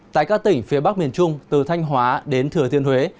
tại các tỉnh phía bắc miền trung từ thanh hóa đến thừa thiên huế